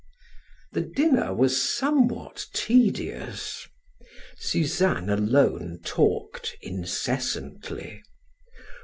The dinner was somewhat tedious. Suzanne alone talked incessantly.